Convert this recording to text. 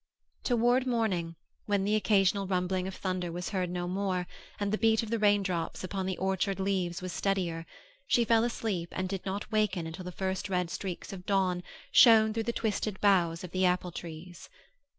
Toward morning, when the occasional rumbling of thunder was heard no more and the beat of the raindrops upon the orchard leaves was steadier, she fell asleep and did not waken until the first red streaks of dawn shone through the twisted boughs of the apple trees.